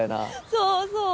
そうそう！